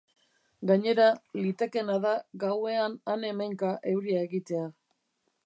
Gainera, litekeena da gauean han-hemenka euria egitea.